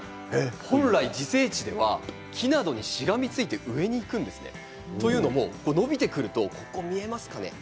本来、自生地では木などにしがみついて上にいくんですね。というのも伸びていくと見えますかね？